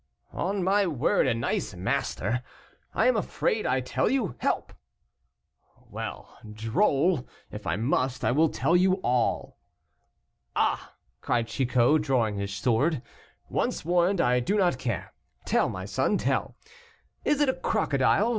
"On my word, a nice master. I am afraid, I tell you. Help!" "Well, drôle, if I must, I will tell you all." "Ah!" cried Chicot, drawing his sword, "once warned, I do not care; tell, my son, tell. Is it a crocodile?